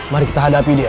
mari kita hadapi dia